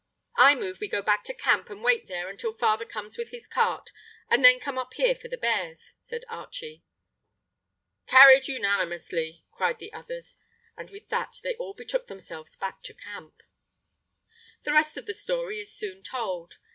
"I move we go back to camp and wait there until father comes with his cart, and then come up here for the bears," said Archie. "Carried unanimously!" cried the others, and with that they all betook themselves back to camp. The rest of the story is soon told.